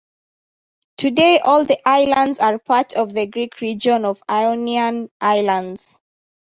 Today all the islands are part of the Greek region of Ionian Islands.